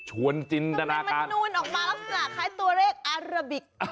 เฮ้ยทำไมมันนูนออกมาลักษณะคล้ายตัวเลขอาราบิกค่ะ